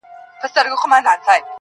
ستا هغه رنگين تصوير.